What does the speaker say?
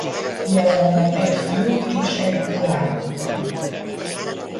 Jelenleg egy fiuk és egy lányuk van.